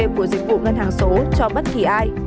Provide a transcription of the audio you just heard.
của dịch vụ ngân hàng số cho bất kỳ ai